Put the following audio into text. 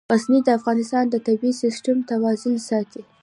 غزني د افغانستان د طبعي سیسټم توازن ساتي.